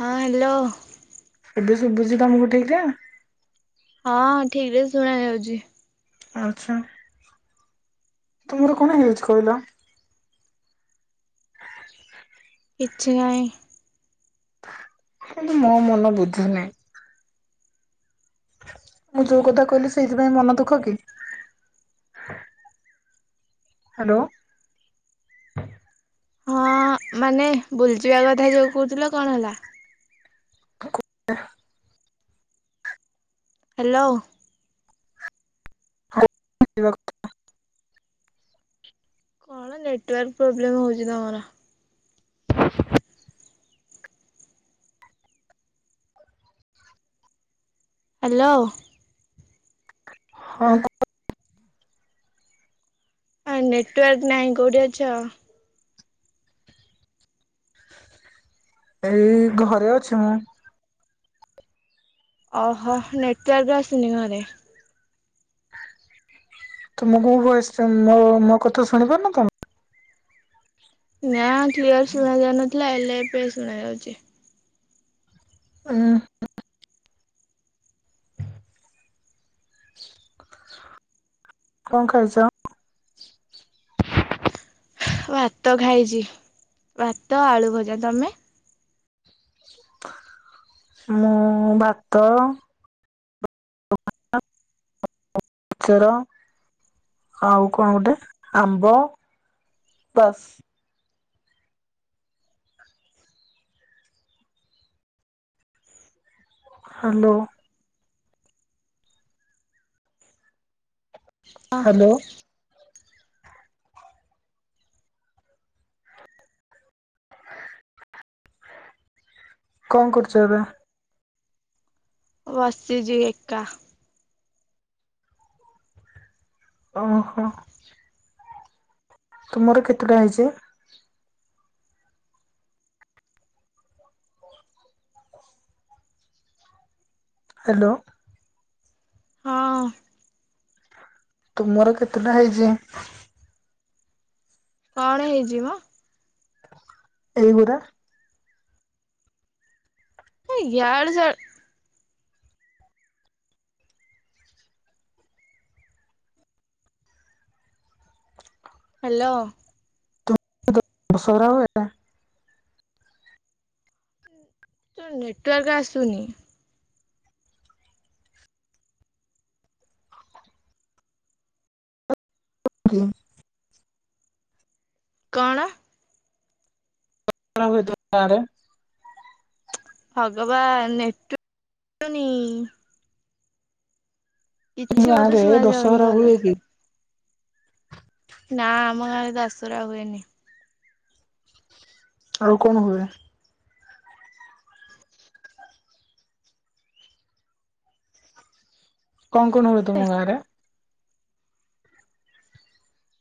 ହଁ ହ୍ୟାଲୋ। ଏବେ ଶୁଭୁଚି ତମକୁ ଠିକରେ? ହଁ ଠିକରେ ଶୁଣା ଯାଉଛି ଆଛା ତୁମର କଣ ହେଇଛି କହିଲ କିଛି ନାହିଁ କିନ୍ତୁ ମୋ ମନ ବୁଝୁନାଇଁ ମୁଁ ଯୋଉ କଥା କହିଲି ସେଇଥିପାଇଁ ମନ ଦୁଃଖ କି ହ୍ୟାଲୋ ହଁ ମାନେ ବୁଲତେ ଯିବା କଥା ଯୋଉ କହୁଥିଲ କଣ ହେଲା [unintelligible] ହ୍ୟାଲୋ [unintelligible] କଣ ନେଟୱାର୍କ ପ୍ରୋବ୍ଲେମ ହଉଛି ତମର ହ୍ୟାଲୋ ହଁ [unintelligible] ଆ ନେଟୱାର୍କ ନାହିଁ କୋଉଠି ଅଛ? ଏଇ ଘରେ ଅଛି ମୁଁ ଓହୋ ନେଟୱର୍କ ଆଶୁନି ଘରେ ତମ କୋଉ ବୟସ ମୋ ମୋ କଥା ଶୁଣିପାରୁନ ତମେ ନା କ୍ଲିୟର ଶୁଣା ଯାଉ ନଥିଲା ଏଲେ ଏବେ ଶୁଣା ଯାଉଛି ହୁଁ [unintelligible] କଣ ଖାଉଛ? ଭାତ ଖାଇଛି ଭାତ ଆଳୁ ଭଜା ତମେ ମୁଁ ଭାତ [unintelligible] ମିକଚର ଆଉ କଣ ଗୋଟେ ଆମ୍ବ ବାସ୍ ହ୍ୟାଲୋ ହଁ ହ୍ୟାଲୋ କଣ କରୁଛ ଏବେ? ବସିଛି ଏକା ଓହୋ ତୁମର କେତେଟା ହେଇଛି? ହ୍ୟାଲୋ ହଁ ତୁମର କେତେଟା ହେଇଛି କଣ ହେଇଯିବ? ଏଇଗୁଡା ହଁ ଇଆଡୁ ସିଆଡୁ ହ୍ୟାଲୋ ତୁ ଦଶହରା ଆଉ ଏଇଟା ତୋ ନେଟୱାର୍କ ଆସୁନି। [unintelligible] କଣ? [unintelligible] ଗାଁରେ ଭଗବାନ ନେଟୁ [unintelligible] ନି। ତମ ମତେ ଗାଁରେ ଶୁଣା ଯାଉନି ଦଶହରା ଭଲରେ ହୁଏ କି? ନା ଆମ ଗାଁରେ ଦସହରା ହୁଏନି। ଆଉ କଣ ହୁଏ? କଣ କଣ ହୁଏ ତୁମ ଗାଁରେ?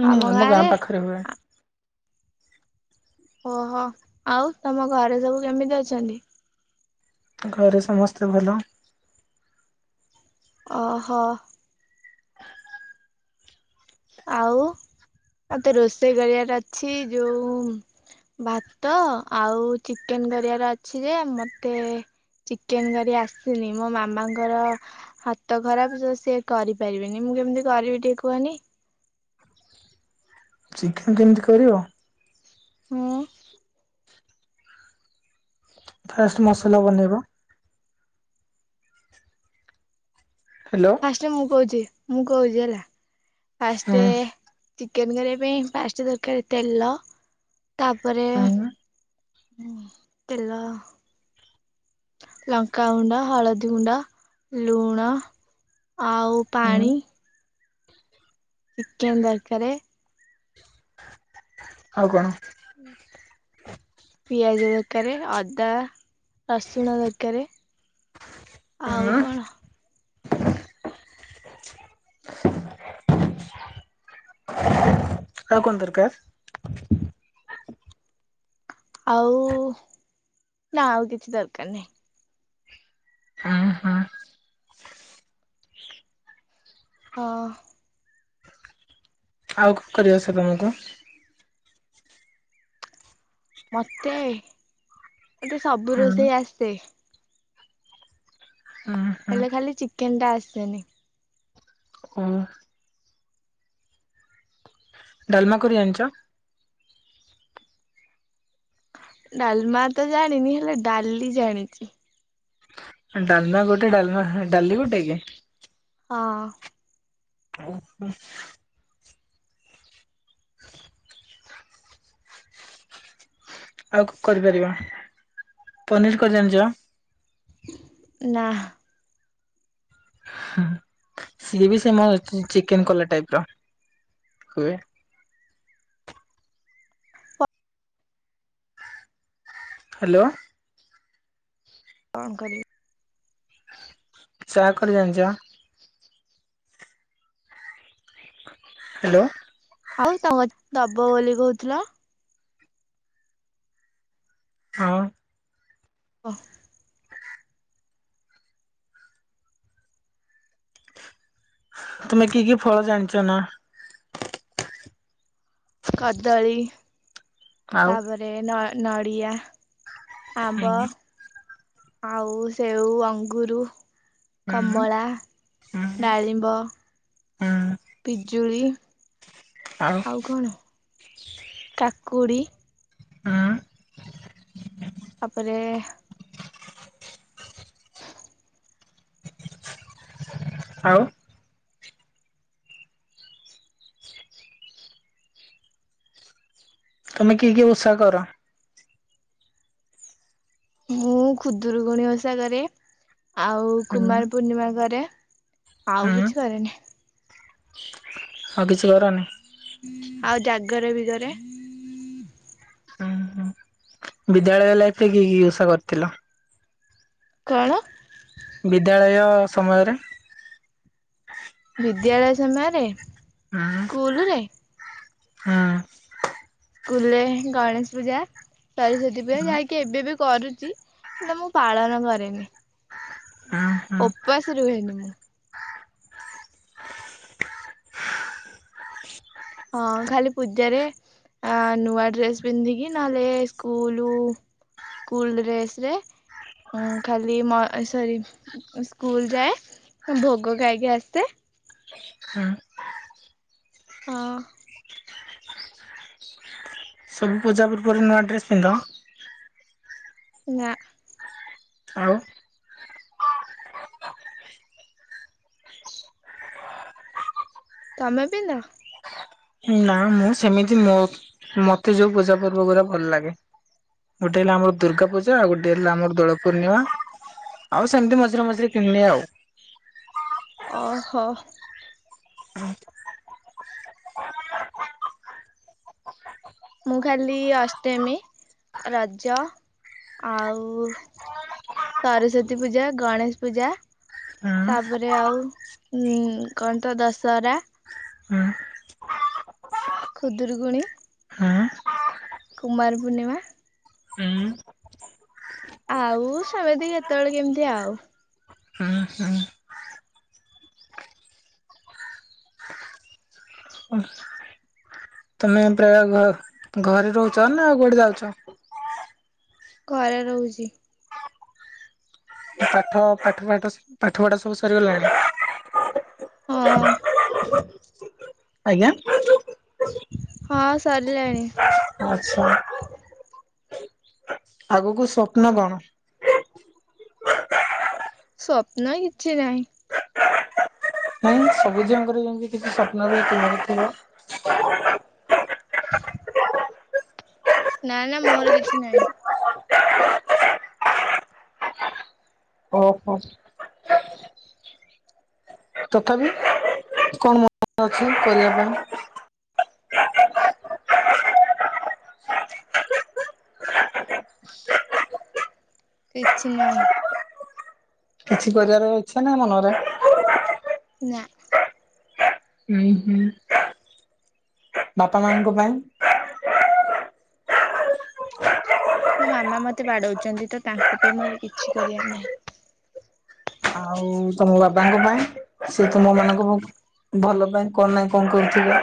ହୁଁ ଆମ ଗାଁ ପାଖରେ ହୁଏ। ଓହୋ ଆଉ ତମ ଘରେ ସବୁ କେମିତି ଅଛନ୍ତି ଘରେ ସମସ୍ତେ ଭଲ। ଓହୋ ଆଉ ମତେ ରୋଷେଇ କରିବାର ଅଛି ଯୋଉ ଭାତ ଆଉ ଚିକେନ କରିବାର ଅଛି ଯେ ମତେ ଚିକେନ କରି ଆସିନି ମୋ ମାମାଙ୍କର ହାତ ଖରାପ ତ ସିଏ କରିପାରିବେିନି ମୁଁ କେମିତି କରିବି ଟିକେ କୁହନି? ଚିକେନ କେମିତି କରିବ ହଁ। ଫ୍ରଷ୍ଟ ମସଲା ବନେଇବା। ହ୍ୟାଲୋ ଆସ୍ରେ ମୁଗହୁଛିି। ମୁଁ କହୁଛି ହେଲା। ହୁଁ ଫାଷ୍ଟେ ଏ ଚିକେନ କରିବା ପାଇଁ ଫାଷ୍ଟେ ତେଲ। ତାପରେ ହୁଁ ହଁ ତେଲ ଲଙ୍କାଗୁଣ୍ଡ ହଳଦୀ ଗୁଣ୍ଡାଲୁଣ ଆଉ ହୁଁ ପାଣି ଚିକେନ ଦରକାରେ ଆଉ କଣ? ପିଆଜ ଦରକାରେ ଅଦା ରସୁଣ ଦରକାରେ ହୁଁ ଆଉ କଣ? ଆଉ କଣନ୍ତରକାର ଆଉ ନା ଆଉ କିଛି ଦରକାର ନାହିଁ। ହୁଁ ହୁଁ ହଁ। ଆଉ କଣ କରିବା ସମାନ କୁ? ମତେ ମତେ ସବୁ ହୁଁ ରୋଷେଇ ଆସେ। ହୁଁ ହୁଁ ହେଲେ ଖାଲି ଚିକେନ ଟା ଆସେନି। ଓ ଡାଲମାକୁରି ଜାଣିଚ। ଡାଲମା ତ ଜାଣିନି ହେଲେ ଡାଲି ଜାଣିଛି। ଡାଲମା ଗୋଟେ ଡାଲମା ଡାଲି ଗୋଟେ କି? ହଁ। ଓ ହ। [inaudible] ଆଉ କରିପାରିବା ପନିର କରି ଜଣିଛ? ନାଆ। ସିଏ ବି ସେ ଅ ଚିକେନ କଲା ଟାଇପ ର ହୁଏ। ହ୍ୟାଲୋ କଣ କରୁ ଚାହା କରିଜଣିଛ ନା। ହ୍ୟାଲୋ ଆଉ ତ କ ଦବ ବୋଲି କହୁଥିଲା? ହ ହ ତମେ କି କି ଫଳ ଜାଣିଛ ନା? କାଦଳୀ ଆଉ ତାପରେ ହେଲା ନା ନଡ଼ିଆ ହୁଁ ଆମ୍ବ ଆଉ ସେଉ ଅଙ୍ଗୁର ହୁଁ ହୁଁ କମଳା ଡାଳିମ୍ବ ପି୍ଜୁଳି ଆଉ କଣ କାକୁଡି ହୁଁ। ତାପରେ ଆଉ ତମେ କିଏ କିଏ ଓଷା କର? ମୁଁ ଖୁଦୁରୁକୁଣୀ ଓଷା କାରେ ଆଉ ହୁଁ କୁମାର ପୂର୍ଣ୍ଣିମା କରେ [unintelligible] ଆଉ ହୁଁ କିଛି କରେନି। ଆଉ କିଛି କରନି? ଆଉ ଜାଗର ବିି କରେ। ହୁଁ ହୁଁ ବିଦ୍ୟାଳୟ ଲାଇଫରେ କି କି ଓଷା କରିଥିଲ। କଣ? ବିଦ୍ୟାଳୟ ସମୟରେ? ବିଦ୍ୟାଳୟ ସମୟରେ। ସ୍କୁଲରେ। ହଁ। ସ୍କୁଲ ରେ ଗଣେଶ ପୂଜା। ସରସ୍ୱତୀ ପୂଜା ଯାଇକି ଏବେ ବି କରୁଛି ହେଲେ ମୁଁ ପାଳନ କରେନି। ହୁଁ ହୁଁ ଉପପାସ ରୁହେନି। ଆଁ ନୂଆ ଡ୍ରେସ୍ ପିନ୍ଧିକି ନହେଲେ ସ୍କୁଲ ସ୍କୁଲ ଡ୍ରେସ ରେ ଖାଲି ମ ସରି ସ୍କୁଲ ଯାଏ ଭୋଗ ଖାଇକି ଆସେ। ହଁ। ହଁ। ସବୁ ପୂଜା ପର୍ବରେ ନୂଆ ଡ୍ରେସ ପିନ୍ଧ? ନା। ଆଉ? ତମେ ପିନ୍ଧ? ନା ମୁଁ ସେମିତି ମୋ ମତେ ଯୋଉ ପୂଜା ପର୍ବ ଗୁଡା ଭଲ ଲାଗେ ଗୋଟେ ହେଲା ଆମର ଦୁର୍ଗା ପୂଜା ଆଉ ଗୋଟେ ହେଲା ଆମର ଦୋଳ ପୂର୍ଣ୍ଣିମା ଆଉ ସେମିତି ମଝିରେ ମଝିରେ କିଣି ନିଏ ଆଉ। ଓହୋ। ମୁଁ ଖାଲି ଅଷ୍ଟମୀ ରଜ ଆଉ ସରସ୍ଵତୀ ପୂଜା ଗଣେଶ ପୂଜା ହୁଁ ତାପରେ ଆଉ ଉଁ କଣ ତ ଦଶହରା ହୁଁ ଖୁଦୁରୁକୁଣି ହୁଁ କୁମାର ପୂର୍ଣ୍ଣିମା ହୁଁ ଆଉ ସମେତି କେତେବେଳେ କେମିତି ଆଉ। ହୁଁ ହୁଁ ତମେ ପ୍ରାୟ ଘ ଘରେ ରହୁଚ ନା କୁଆଡେ ଯାଉଚ? ଘରେ ରହୁଚି। ପାଠ ପାଠ ପାଠ ପାଠ ଫାଠ ସବୁ ସରିଗଲାଣି? ହଁ [inaudible] ଆଜ୍ଞା? ହଁ ସାରି ଆଚ୍ଛା। ଆଗକୁ ସ୍ୱପ୍ନ କଣ? ସ୍ୱପ୍ନ କିଛି ନାହିଁ। ନାଇଁ ସବୁ ଝିଅଙ୍କର ଯେମିତି କିଛି ସ୍ୱପ୍ନ [unintelligible] ଥିବ। [unintelligible] ନା ନା ମୋର କିଛି ନହିଁ। ଓହୋ। ତଥାପି କଣ ମନ ଅଛି କରିବା ପାଇଁ? କିଛିନାଇ। କିଛି କରିବାର ଇଛା ନାହିଁ ମନରେ ନା। ହୁଁ ହୁଁ। ବାପା ମାଙ୍କ ପାଇଁ। ମୋ ମାମା ମତେ ବାଡଉଛନ୍ତିତ ତାଙ୍କ ପାଇଁ ମୋର କିଛି କରିବାର ନାହିଁ। ଆଉ ତମ ବାବାଙ୍କ ପାଇଁ ସେ ତୁମ ମାନଙ୍କ ଭଲ ପାଇଁ କଣ ନାହିଁ କଣ କରୁଥିବେ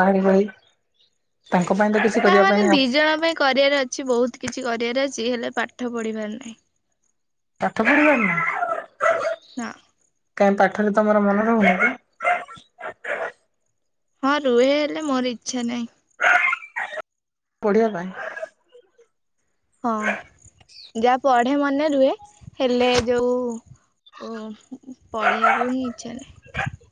ଭାଇ ଭାଇ ତାଙ୍କ ପାଇଁ ତ କିଛି ନା କରିବା ମାନେ ପାଇଁ ଦି ଆସ ଜଣ ପାଇଁ କରିବାର ଅ କିଛି ବହୁତ କିଛି କରିବାର ଅଛି ହେଲେ ପାଠ ପଢିିବାର ନାହିଁ। ପାଠ ପଢ଼ିବନି। ନାଁ। କାଇଁ ପାଠରେ ତମର ମନ ରହୁନି? ହଁ ରୁହେ ହେଲେ ମୋର ଇଚ୍ଛା ନାହିଁ। ପଢ଼ିବା ପାଇଁ? ହଁ ଯାହା ପଢ଼େ ମନେ ରୁହେ ହେଲେ ଯୋଉ ଉ ପଢ଼ିବାକୁ ହିଁ ଇଚ୍ଛା ନାହି।